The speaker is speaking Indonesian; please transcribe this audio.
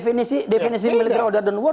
pak definisi military order dan war